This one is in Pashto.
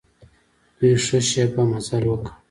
دوی ښه شېبه مزل وکړ.